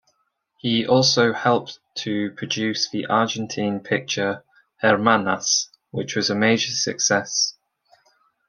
He also helped to produce the Argentine picture "Hermanas" which was a major success.